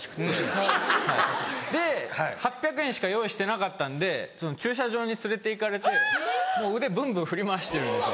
ハハハ！で８００円しか用意してなかったんで駐車場に連れて行かれてもう腕ブンブン振り回してるんですよ。